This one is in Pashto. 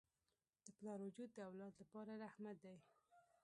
د پلار وجود د اولاد لپاره رحمت دی.